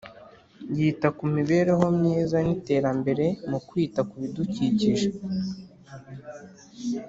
Yita ku mibereho myiza n’iterambere mu kwita ku bidukikije